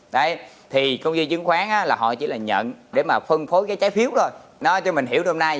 đây thì không ghi chứng khoán là họ chỉ là nhận để mà phân phối cái trái phiếu rồi nó cho mình hiểu đồng